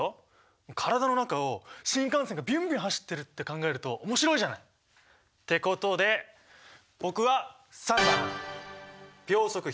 体の中を新幹線がビュンビュン走ってるって考えると面白いじゃない！ってことで僕は③番秒速１００ｍ。